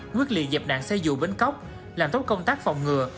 nguyên liệu dẹp nạn xe dù bến cóc làm tốt công tác phòng ngừa